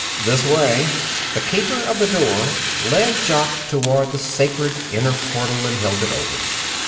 "This way." The keeper of the door led Jock toward the sacred inner portal and held it open.